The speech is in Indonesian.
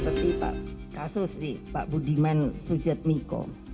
seperti pak kasus pak budiman jadmiko